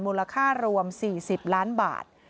มูลค่ารวม๔๐ล้านบาท